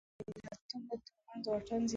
جګړه د ملتونو ترمنځ واټن زیاتوي